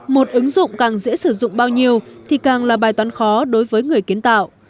một ứng dụng càng dễ sử dụng bao nhiêu thì càng là bài toán khó đối với người kiến tạo